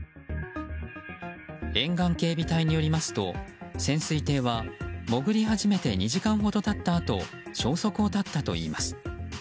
沿岸警備隊によりますと潜水艇は潜り始めて２時間ほど経ったあと消息を絶ったといいます。